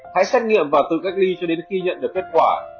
hãy xét nghiệm và từ cách ly cho đến khi nhận được kết quả